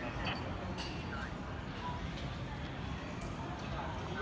อันที่สุดท้ายก็คือภาษาอันที่สุดท้าย